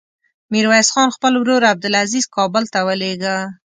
ميرويس خان خپل ورور عبدلعزير کابل ته ولېږه.